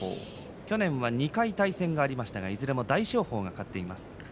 去年は２回対戦がありましたがいずれも大翔鵬が勝っています。